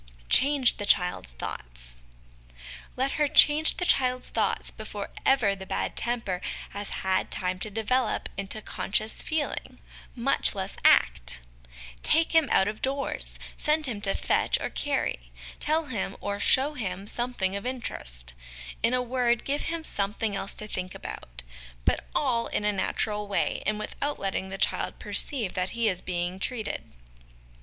Change the Child's Thoughts. Let her change the childs thoughts before ever the bad temper has had time to develop into conscious feeling, much less 168 HOME EDUCATION act : take him out of doors, send him to fetch or carry, tell him or show him something of interest, in a word, give him something else to think about; but all in a natural way, and without letting the child per ceive that he is being treated.